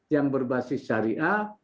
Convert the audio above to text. yang berbasis syariah